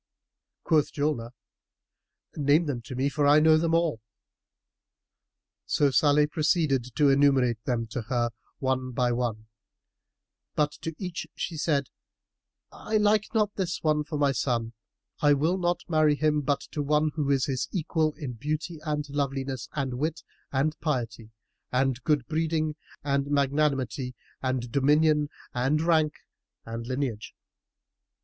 Quoth Julnar, "Name them to me for I know them all." So Salih proceeded to enumerate them to her, one by one, but to each she said, "I like not this one for my son; I will not marry him but to one who is his equal in beauty and loveliness and wit and piety and good breeding and magnanimity and dominion and rank and lineage."